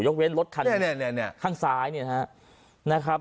ยกเว้นรถคันเนี่ยเนี่ยเนี่ยเนี่ยข้างซ้ายเนี่ยนะฮะนะครับ